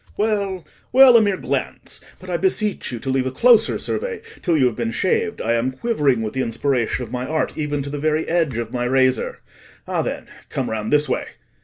Well, well, a mere glance; but I beseech you to leave a closer survey till you have been shaved: I am quivering with the inspiration of my art even to the very edge of my razor. Ah, then, come round this way."